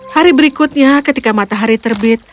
hari berikutnya ketika matahari terbit